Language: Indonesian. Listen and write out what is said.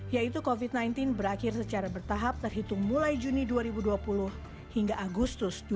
yaitu covid sembilan belas berakhir secara bertahap terhitung mulai juni dua ribu dua puluh hingga agustus dua ribu dua puluh